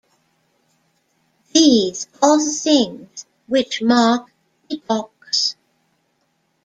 These are the things which mark epochs.